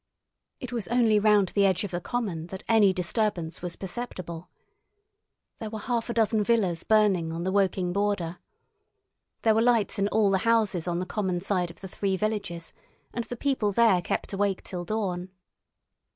It was only round the edge of the common that any disturbance was perceptible. There were half a dozen villas burning on the Woking border. There were lights in all the houses on the common side of the three villages, and the people there kept awake till dawn.